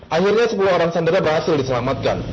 akhirnya sepuluh orang sandera berhasil diselamatkan